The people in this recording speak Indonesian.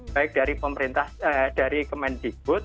baik dari pemerintah dari kemendikbud